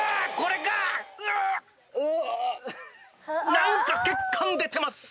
何か血管出てます。